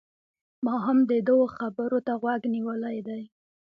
ما هم د ده و خبرو ته غوږ نيولی دی